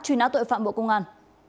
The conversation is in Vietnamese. truy nã tội phạm bộ công an